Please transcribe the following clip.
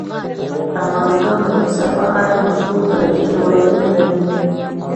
افغانستان د پسه په اړه مشهور تاریخی روایتونه لري.